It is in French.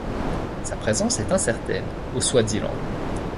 Sa présence est incertaine au Swaziland.